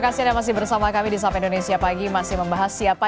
kami di sampai indonesia pagi masih membahas siapa